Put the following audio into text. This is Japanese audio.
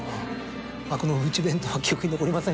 幕の内弁当は記憶に残りませんか。